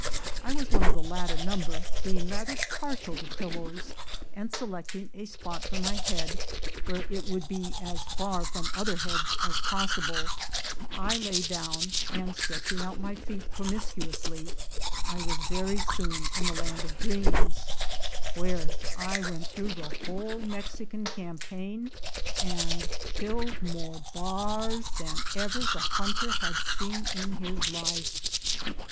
I was one of the latter number, being rather partial to pillows; and selecting a spot for my head, where it would be as far from other heads as possible, I lay down, and stretching out my feet promiscuously, I was very soon in the land of dreams, where I went through the whole Mexican campaign, and killed more "bars" than ever the hunter had seen in his life.